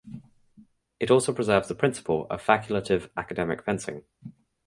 It also preserves the principle of facultative academic fencing.